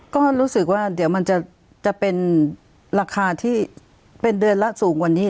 ก็รู้สึกว่าเดี๋ยวมันจะเป็นราคาที่เป็นเดือนละสูงกว่านี้